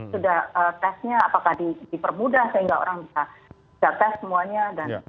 sudah tesnya apakah dipermudah sehingga orang bisa tes semuanya